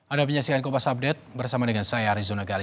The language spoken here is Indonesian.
ada penyaksian kopas update bersama dengan saya arizona gali